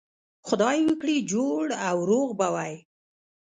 خدای وکړي جوړ او روغ به وئ.